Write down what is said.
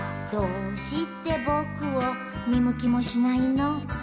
「どうしてボクを見向きもしないの？」